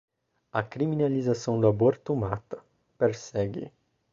A criminalização do aborto mata, persegue